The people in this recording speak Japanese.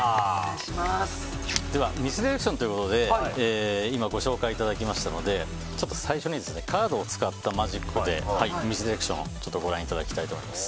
ではミスディレクションということで今ご紹介いただきましたので最初にカードを使ったマジックでミスディレクションをご覧いただきたいと思います。